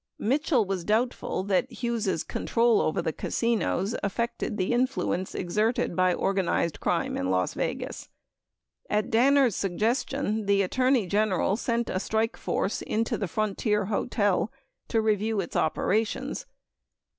Mitchell was doubtful that Hughes' control over the casinos affected the influence exerted by organized crime in Las Vegas. At Danner's suggestion the Attorney General sent a strike force into the Frontier Hotel to review its operations.